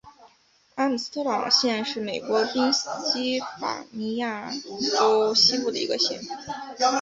阿姆斯特朗县是美国宾夕法尼亚州西部的一个县。